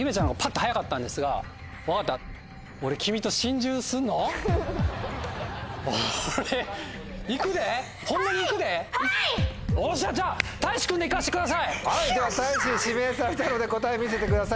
はいではたいし指名されたので答え見せてください。